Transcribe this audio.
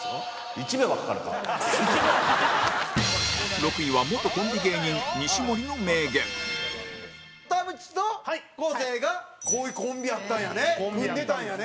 ６位は元コンビ芸人、西森の名言田渕と昴生がコンビやったんやね組んでたんやね。